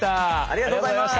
ありがとうございます！